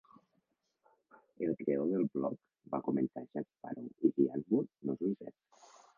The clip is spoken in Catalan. El creador del blog va comentar: "Jack Parow i Die Antwoord no són zef".